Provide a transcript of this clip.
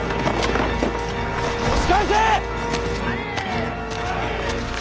押し返せ！